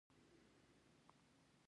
پوست د بدن لوی محافظ دی.